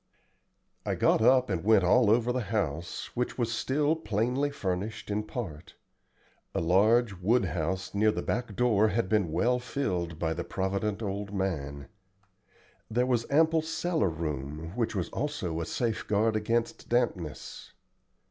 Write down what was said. I got up and went all over the house, which was still plainly furnished in part. A large wood house near the back door had been well filled by the provident old man. There was ample cellar room, which was also a safeguard against dampness.